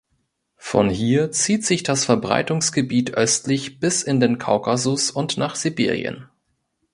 Von hier zieht sich das Verbreitungsgebiet östlich bis in den Kaukasus und nach Sibirien.